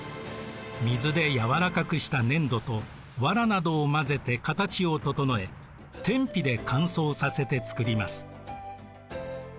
水で軟らかくした粘土とわらなどを混ぜて形を整え天日で乾燥させてつくります。